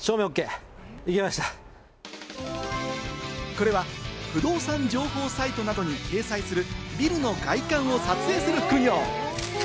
これは不動産情報サイトなどに掲載するビルの外観を撮影する副業。